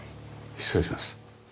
失礼します。